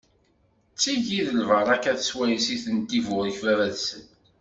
D tigi i d lbaṛakat swayes i ten-iburek baba-tsen.